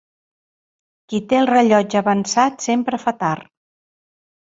Qui té el rellotge avançat sempre fa tard.